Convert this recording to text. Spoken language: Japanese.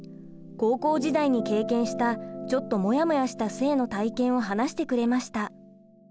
高校時代に経験したちょっとモヤモヤした性の体験を話してくれました。